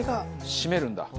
締めるんだ。